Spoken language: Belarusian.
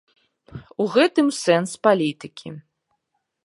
У гэтым сэнс палітыкі.